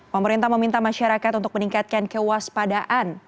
pemerintah meminta masyarakat untuk meningkatkan kewaspadaan